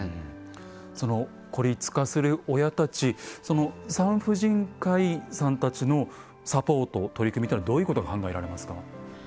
その孤立化する親たち産婦人科医さんたちのサポート取り組みというのはどういうことが考えられますか？